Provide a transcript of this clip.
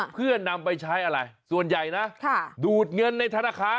เพื่อนำไปใช้อะไรส่วนใหญ่นะดูดเงินในธนาคาร